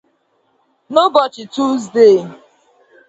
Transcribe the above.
N’ụbọchị Tuzdee